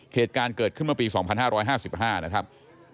เหตุการณ์เกิดขึ้นเมื่อปี๒๕๕๕นะครับ